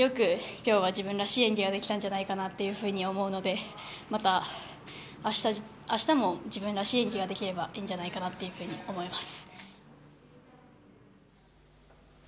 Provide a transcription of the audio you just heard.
今日は自分らしい演技ができたんじゃないかなと思うのでまた明日も自分らしい演技ができればいいと思います。